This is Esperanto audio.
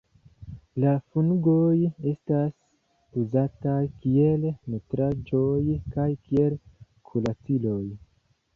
La fungoj estas uzataj kiel nutraĵoj kaj kiel kuraciloj.